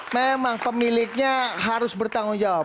memang pemiliknya harus bertanggung jawab